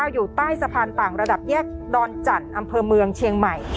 อยู่ใต้สะพานต่างระดับแยกดอนจันทร์อำเภอเมืองเชียงใหม่